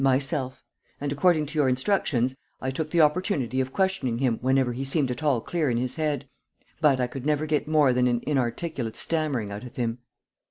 "Myself. And, according to your instructions, I took the opportunity of questioning him whenever he seemed at all clear in his head. But I could never get more than an inarticulate stammering out of him."